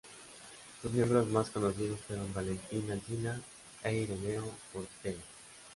Sus miembros más conocidos fueron Valentín Alsina e Ireneo Portela.